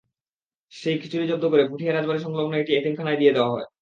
সেই খিচুড়ি জব্দ করে পুঠিয়া রাজবাড়ি-সংলগ্ন একটি এতিমখানায় দিয়ে দেওয়া হয়।